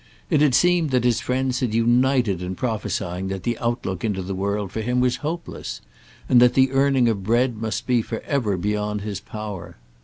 It had seemed that his friends had united in prophesying that the outlook into the world for him was hopeless, and that the earning of bread must be for ever beyond his power.